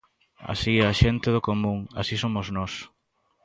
Así é a xente do común, así somos nós.